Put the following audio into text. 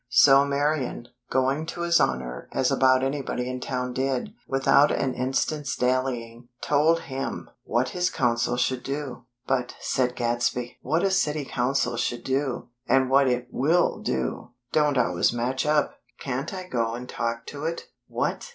So Marian, going to His Honor, as about anybody in town did, without an instant's dallying, "told him," (!) what his Council should do. "But," said Gadsby, "what a City Council should do, and what it will do, don't always match up." "Can't I go and talk to it?" "_What!